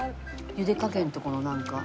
ゆで加減とこのなんか。